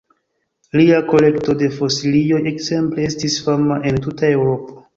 Lia kolekto de fosilioj ekzemple estis fama en tuta Eŭropo.